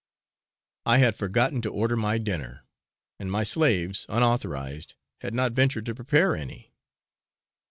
I had forgotten to order my dinner, and my slaves, unauthorised, had not ventured to prepare any.